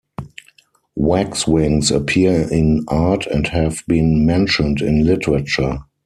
Waxwings appear in art and have been mentioned in literature.